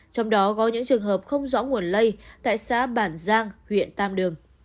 trong đó có những trường hợp không rõ nguồn lây tại xã bản giang huyện tam đường